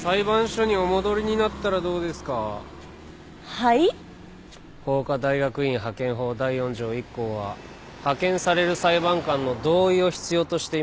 はい？法科大学院派遣法第４条１項は派遣される裁判官の同意を必要としています。